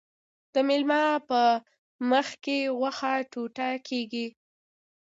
د میلمه په مخکې غوښه ټوټه کیږي.